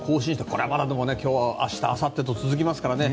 これはまだ明日、あさってと続きますからね